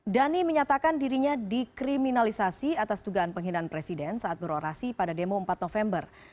dhani menyatakan dirinya dikriminalisasi atas tugaan penghinaan presiden saat berorasi pada demo empat november